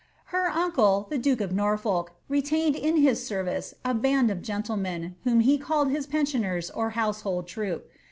Her ancle, the duke of Norfolk, retained in his service a band of gen tlemen, whom he called his pensioners or household troop.